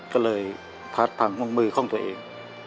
ก็เลยพัดตามห้องมือของตัวเอง